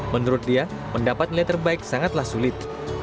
menurut dia mendapat nilai terbaik sangatlah sulit